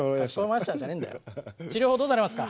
「治療法どうされますか？」。